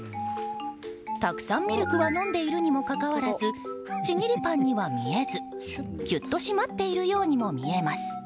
たくさんミルクは飲んでいるにもかかわらずちぎりパンには見えずキュッと締まっているようにも見えます。